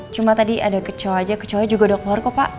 cuma tadi ada kecoh aja kecohnya juga dokter kok pak